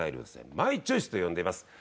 マイチョイスと呼んでいます。